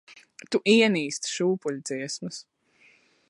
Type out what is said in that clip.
Tu ienīsti šūpuļdziesmas.